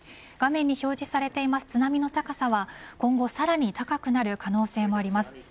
画面に表示されている津波の高さは今後さらに高くなる可能性もあります。